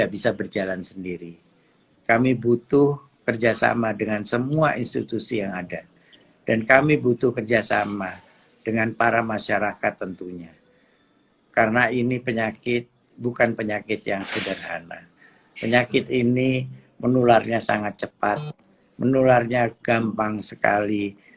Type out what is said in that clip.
bahkan ada yang beberapa hari masuk rumah sakit terus meninggal